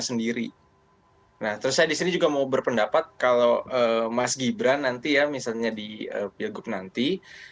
sendiri nah terus saya disini juga mau berpendapat kalau mas gibran nanti ya misalnya di pilgub nanti